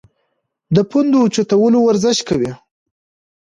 د پوندو اوچتولو ورزش کوی -